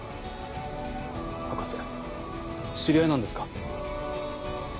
博士知り合いなんですか？